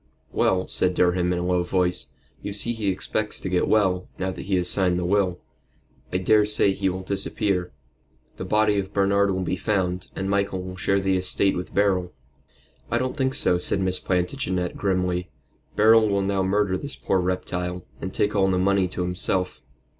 "Well," said Durham, in a low voice, "you see he expects to get well, now that he has signed the will. I daresay he will disappear. The body of Bernard will be found, and Michael will share the estate with Beryl." "I don't think so," said Miss Plantagenet, grimly. "Beryl will now murder this poor reptile, and take all the money to himself."